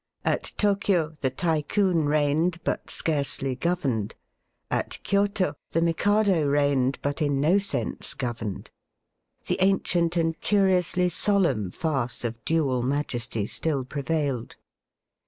At Tokio the Tycoon reigned, but scarcely governed; at Kioto the Mikado reigned, but in no sense governed.^ The ancient and curiously solemn farce of dual majesty still prevailed.